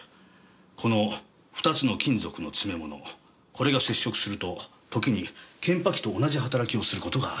この２つの金属の詰め物これが接触すると時に検波器と同じ働きをする事があります。